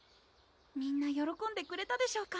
みんなよろこんでくれたでしょうか？